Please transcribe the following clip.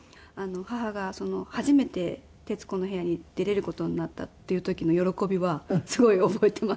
母が初めて『徹子の部屋』に出れる事になったっていう時の喜びはすごい覚えています。